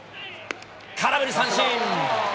空振り三振。